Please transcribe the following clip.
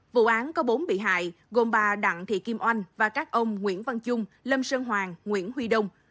vụ án có bốn bị hại gồm bà đặng thị kim oanh và các ông nguyễn văn trung lâm sơn hoàng nguyễn huy đông